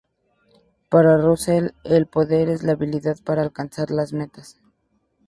Para Russell, el poder es la habilidad para alcanzar las metas.